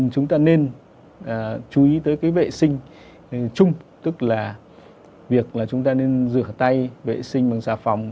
chúng ta nên chú ý tới vệ sinh chung tức là việc chúng ta nên rửa tay vệ sinh bằng xà phòng